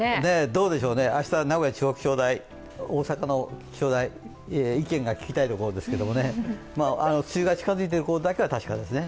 どうでしょうね、明日、名古屋地方気象台、大阪の気象台、意見が聞きたいところですけれども梅雨が近づいていることだけは確かですね。